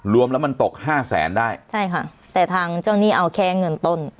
รวมแล้วมันตกห้าแสนได้ใช่ค่ะแต่ทางเจ้าหนี้เอาแค่เงินต้น